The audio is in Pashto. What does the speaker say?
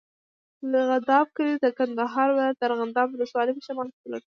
د ارغنداب کلی د کندهار ولایت، ارغنداب ولسوالي په شمال کې پروت دی.